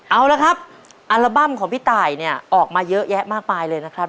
เอาละครับอัลบั้มของพี่ตายเนี่ยออกมาเยอะแยะมากมายเลยนะครับ